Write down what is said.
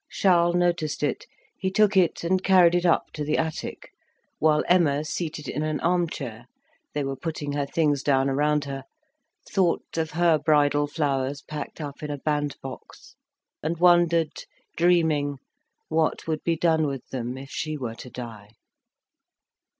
Charles noticed it; he took it and carried it up to the attic, while Emma seated in an arm chair (they were putting her things down around her) thought of her bridal flowers packed up in a bandbox, and wondered, dreaming, what would be done with them if she were to die.